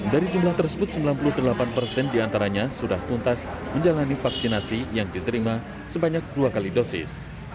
dari jumlah tersebut sembilan puluh delapan persen diantaranya sudah tuntas menjalani vaksinasi yang diterima sebanyak dua kali dosis